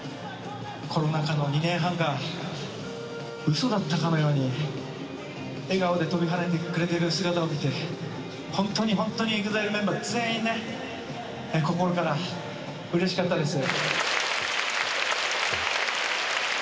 コロナ禍の２年半がうそだったかのように、笑顔で跳びはねてくれている姿を見て、本当に本当にＥＸＩＬＥメンバー、全員ね、心からうれしかったです。